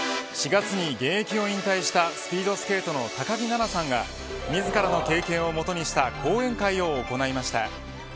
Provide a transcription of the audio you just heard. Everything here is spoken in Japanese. ４月に現役を引退したスピードスケートの高木菜那さんが自らの経験をもとにした講演会を行いました。